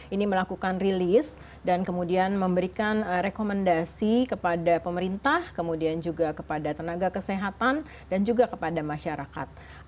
ini melakukan rilis dan kemudian memberikan rekomendasi kepada pemerintah kemudian juga kepada tenaga kesehatan dan juga kepada masyarakat